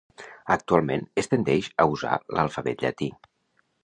Actualment es tendeix a usar l'alfabet llatí.